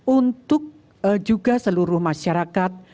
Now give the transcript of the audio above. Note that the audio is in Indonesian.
untuk juga seluruh masyarakat